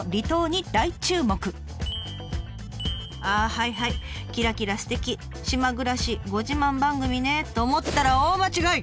「ああはいはいキラキラすてき島暮らしご自慢番組ね」と思ったら大間違い！